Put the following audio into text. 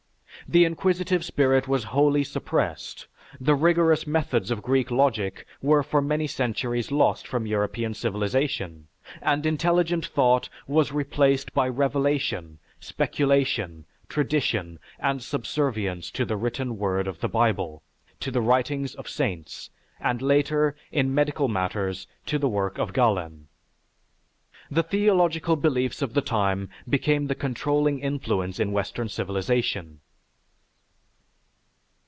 The inquisitive spirit was wholly suppressed, the rigorous methods of Greek logic were for many centuries lost from European civilization, and intelligent thought was replaced by revelation, speculation, tradition, and subservience to the written word of the Bible, to the writings of saints, and later, in medical matters, to the work of Galen. The theological beliefs of the time became the controlling influence in Western civilization.